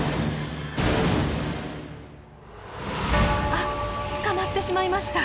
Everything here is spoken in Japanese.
あっ捕まってしまいました。